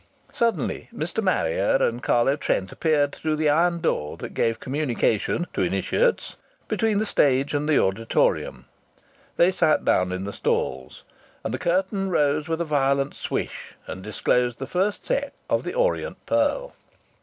Suddenly Mr. Marrier and Carlo Trent appeared through the iron door that gave communication to initiates between the wings and the auditorium; they sat down in the stalls. And the curtain rose with a violent swish, and disclosed the first "set" of "The Orient Pearl."